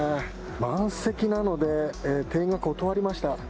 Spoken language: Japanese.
満席なので、店員が断りました。